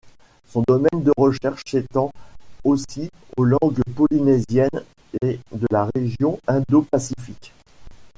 Son domaine de recherche s'étend aussi aux langues polynésiennes et de la région indo-pacifique.